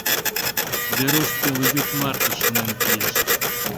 Веруш пелйӱд марте шонен кийыш.